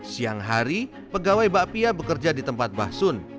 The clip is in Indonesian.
siang hari pegawai bakpia bekerja di tempat basun